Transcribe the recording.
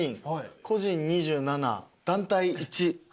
個人２７団体１。